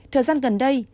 thời gian gần đây